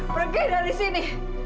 pergi dari sini